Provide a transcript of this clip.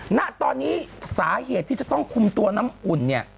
ณตอนนี้สาเหตุที่จะต้องคุมตัวน้ำอุ่นเนี่ย